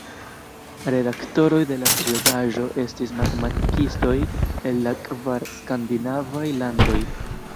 Redaktoroj de la periodaĵo estis matematikistoj el la kvar skandinavaj landoj.